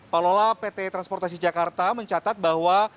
pak lola pt transportasi jakarta mencatat bahwa